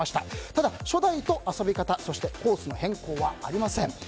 ただ、初代と遊び方やコースの変更はありません。